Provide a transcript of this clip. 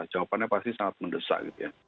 jawabannya pasti sangat mendesak gitu ya